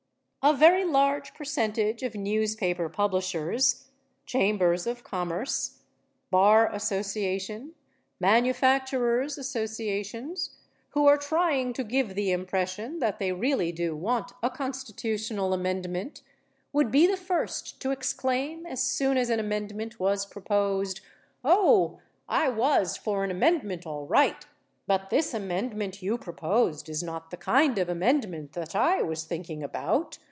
A very large percentage of newspaper publishers, Chambers of Commerce, Bar Association, Manufacturers' Associations, who are trying to give the impression that they really do want a constitutional amendment would be the first to exclaim as soon as an amendment was proposed, "Oh! I was for an amendment all right, but this amendment you proposed is not the kind of amendment that I was thinking about.